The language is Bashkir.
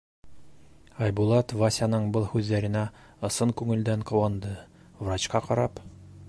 Айбулат Васяның был һүҙҙәренә ысын күңелдән ҡыуанды, врачҡа ҡарап: